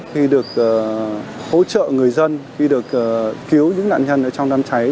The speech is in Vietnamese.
khi được hỗ trợ người dân khi được cứu những nạn nhân ở trong đám cháy